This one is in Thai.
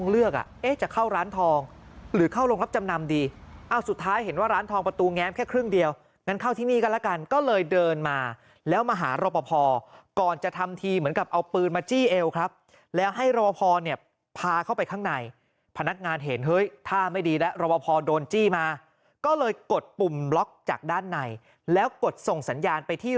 เลือกอ่ะเอ๊ะจะเข้าร้านทองหรือเข้าโรงรับจำนำดีเอ้าสุดท้ายเห็นว่าร้านทองประตูแง้มแค่ครึ่งเดียวงั้นเข้าที่นี่ก็แล้วกันก็เลยเดินมาแล้วมาหารปภก่อนจะทำทีเหมือนกับเอาปืนมาจี้เอวครับแล้วให้รอปภเนี่ยพาเข้าไปข้างในพนักงานเห็นเฮ้ยท่าไม่ดีแล้วรบพอโดนจี้มาก็เลยกดปุ่มบล็อกจากด้านในแล้วกดส่งสัญญาณไปที่